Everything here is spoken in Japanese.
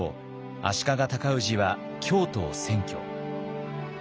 足利尊氏は京都を占拠。